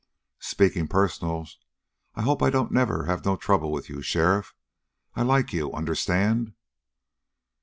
"Speaking personal, I hope I don't never have no trouble with you, sheriff. I like you, understand?"